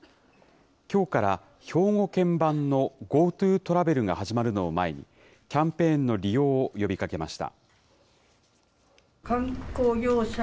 きょうから兵庫県版のＧｏＴｏトラベルが始まるのを前に、キャンペーンの利用を呼びかけました。